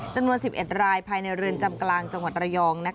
จำนวน๑๑รายภายในเรือนจำกลางจังหวัดระยอง